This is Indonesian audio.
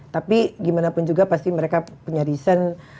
tapi gimana pun juga pasti mereka punya reason